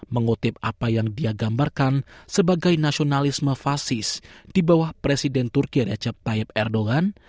mengutip apa yang dia gambarkan sebagai nasionalisme fasis di bawah presiden turkian ecep tayyep erdogan